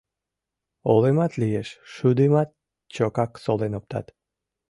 Олымат лиеш, шудымат чокак солен оптат.